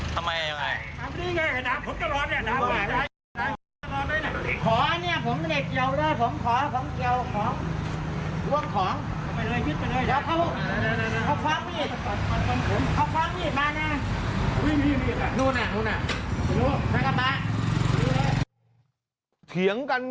ทำไมยังไง